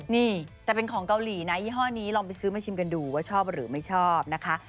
นี่แต่เป็นของเกาหลีนะยี่ห้อนี้ลองไปซื้อมาชิมกันดูว่าชอบหรือไม่ชอบนะคะ